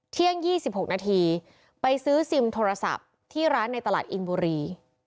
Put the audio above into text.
เที่ยง๒๖นาทีไปซื้อซิมโทรศัพท์ที่ร้านในตลาดอินบุรี